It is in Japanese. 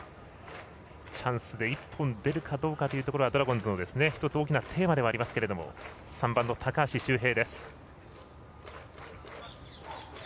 チャンスで１本出るかどうかというのがドラゴンズの１つ大きなテーマではありますけども３番の高橋周平。